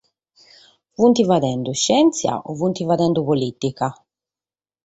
Sunt faghende sièntzia o sunt faghende polìtica?